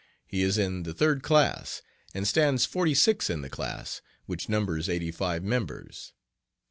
He is in the third class, and stands forty six in the class, which numbers eighty five members.